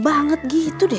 banget gitu deh